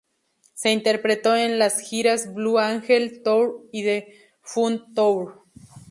Se interpretó en las giras Blue Angel Tour y The Fun Tour.